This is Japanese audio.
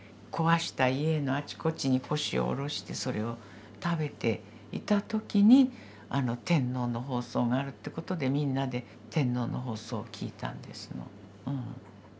壊した家のあちこちに腰を下ろしてそれを食べていた時に天皇の放送があるっていうことでみんなで天皇の放送を聴いたんですの。